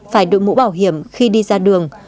phải đội mũ bảo hiểm khi đi ra đường